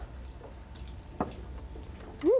うん。